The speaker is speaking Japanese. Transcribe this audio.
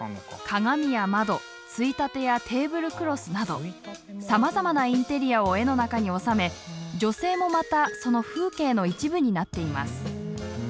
鏡や窓ついたてやテーブルクロスなどさまざまなインテリアを絵の中におさめ女性もまたその風景の一部になっています。